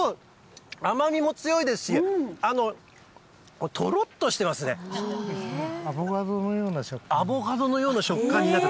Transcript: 甘みも強いですし、とろっとアボカドのような食感ですね。